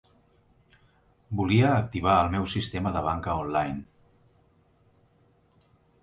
Volia activar el meu sistema de banca online.